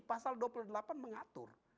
pasal dua puluh delapan mengatur